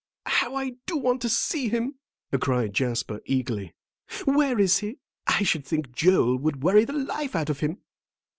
"How I do want to see him!" cried Jasper, eagerly. "Where is he? I should think Joel would worry the life out of him."